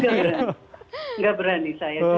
tidak berani saya